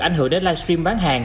ảnh hưởng đến live stream bán hàng